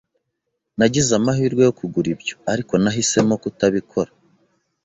Nagize amahirwe yo kugura ibyo, ariko nahisemo kutabikora.